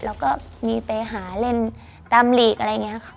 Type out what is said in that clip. แล้วก็มีไปหาเล่นตามหลีกอะไรอย่างนี้ค่ะ